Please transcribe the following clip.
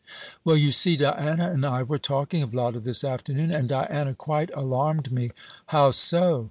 "Well, you see, Diana and I were talking of Lotta this afternoon, and Diana quite alarmed me." "How so?"